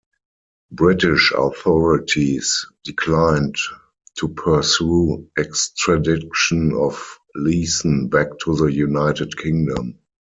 British authorities declined to pursue extradition of Leeson back to the United Kingdom.